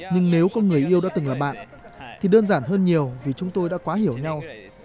nhưng nếu có người yêu đã từng là bạn thì đơn giản hơn nhiều vì chúng tôi đã quá hiểu nhau